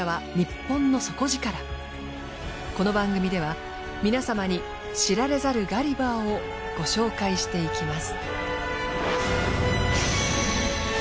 この番組では皆様に知られざるガリバーをご紹介していきます。